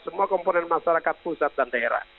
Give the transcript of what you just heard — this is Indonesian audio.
semua komponen masyarakat pusat dan daerah